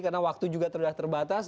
karena waktu juga sudah terbatas